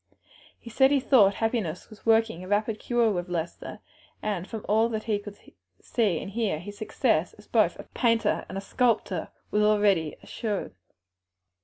He said he thought happiness was working a rapid cure with Lester, and that from all he could see and hear, his success as both painter and sculptor was already assured.